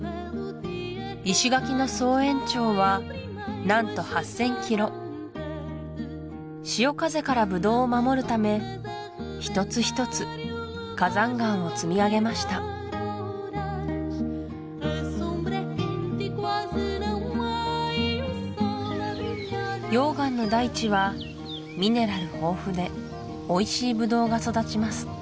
石垣の総延長は何と８０００キロ潮風からブドウを守るため一つ一つ火山岩を積み上げました溶岩の大地はミネラル豊富でおいしいブドウが育ちます